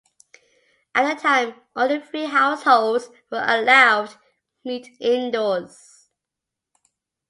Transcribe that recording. At the time only three households were allowed meet indoors.